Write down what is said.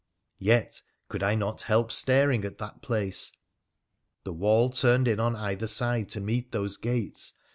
Yet could I not help staring at that place. The wall turned in on either side to meet those gates.